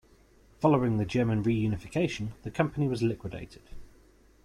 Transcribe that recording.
Following the German reunification, the company was liquidated.